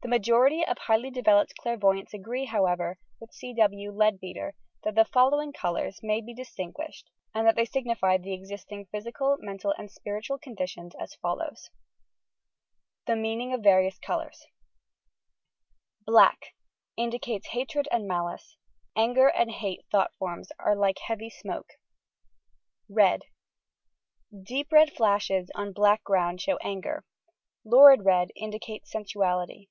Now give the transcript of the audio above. The majority of highly developed clairvoyants agree, however, with C. W. Leadbeater, that the following colours may be distinguished, and that they signify the existing physi cal, mental and spiritual conditions, as follows : THE MEANING OP THE VARIOUS COUIUKS Black: indicates hatred and malice; anger and hate thought forms are like heavy smoke. Red: deep red flashes on black ground show anger : lurid red indicates sensuality.